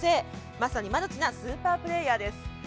まさにマルチなスーパープレーヤーです。